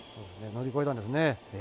乗り越えたんですね。